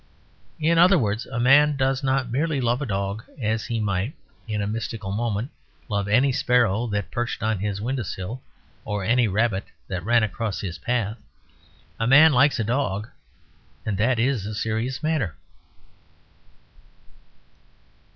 In other words, a man does not merely love a dog; as he might (in a mystical moment) love any sparrow that perched on his windowsill or any rabbit that ran across his path. A man likes a dog; and that is a serious matter.